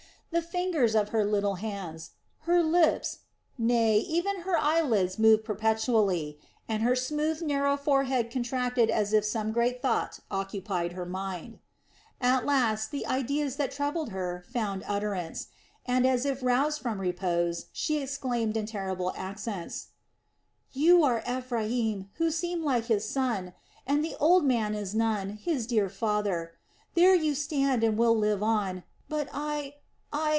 The fingers of her little hands, her lips, nay, even her eyelids moved perpetually, and her smooth, narrow forehead contracted as if some great thought occupied her mind. At last the ideas that troubled her found utterance and, as if roused from her repose, she exclaimed in terrified accents: "You are Ephraim, who seemed like his son, and the old man is Nun, his dear father. There you stand and will live on.... But I I...